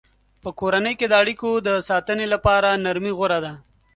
په کورنۍ کې د اړیکو د ساتنې لپاره نرمي غوره ده.